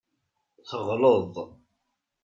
Teɣleḍ.